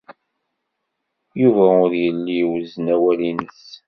Yuba ur yelli iwezzen awal-nnes.